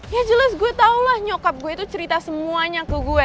ya jelas gue tau lah nyokap gue itu cerita semuanya ke gue